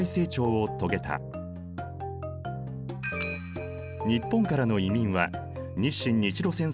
日本からの移民は日清・日露戦争後に急増した。